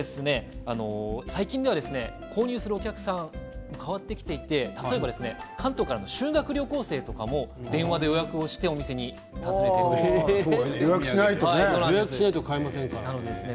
最近では購入するお客さんが変わってきて関東からの修学旅行生とかも電話で予約をしてお店に訪ねてくることがあるそうです。